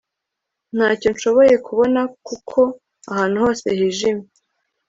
ntacyo nshobora kubona kuko ahantu hose hijimye